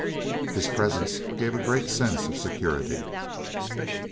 His presence gave a great sense of security!